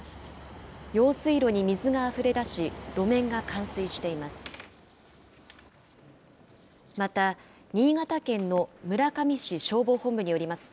用水路に水があふれだし路面が冠水しています。